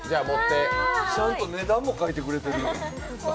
ちゃんと値段も書いてくれてる。